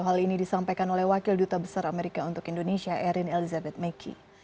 hal ini disampaikan oleh wakil duta besar amerika untuk indonesia erin elizabeth mickey